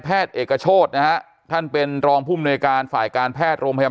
แพทย์เอกโชศนะท่านเป็นรองผู้บุญการฝ่ายการแพทย์โรงพยาบาล